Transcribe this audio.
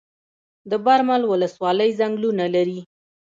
د برمل ولسوالۍ ځنګلونه لري